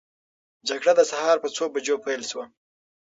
جګړه د سهار په څو بجو پیل سوه؟